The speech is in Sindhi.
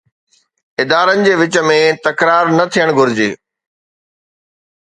ادارن جي وچ ۾ تڪرار نه ٿيڻ گهرجي.